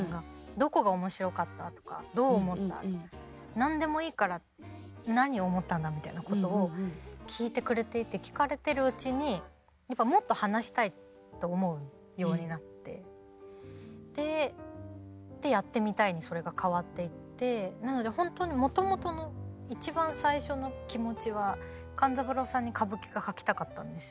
「どこが面白かった？」とか「どう思った？」とか何でもいいから何を思ったんだみたいなことを聞いてくれていて聞かれてるうちにもっと話したいと思うようになってでやってみたいにそれが変わっていってなので本当にもともとの一番最初の気持ちは勘三郎さんに歌舞伎が書きたかったんです